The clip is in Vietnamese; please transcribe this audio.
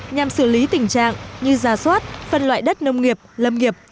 nhằm xử lý tình trạng như giả soát phân loại đất nông nghiệp lâm nghiệp